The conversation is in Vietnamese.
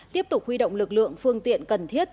tiếp tục huy động lực lượng phương tiện cần thiết